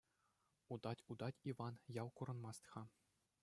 Утать-утать Иван, ял курӑнмасть-ха.